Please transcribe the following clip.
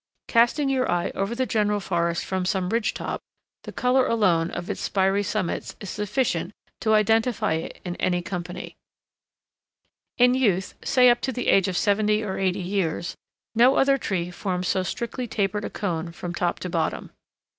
Casting your eye over the general forest from some ridge top, the color alone of its spiry summits is sufficient to identify it in any company. [Illustration: INCENSE CEDAR IN ITS PRIME.] In youth, say up to the age of seventy or eighty years, no other tree forms so strictly tapered a cone from top to bottom.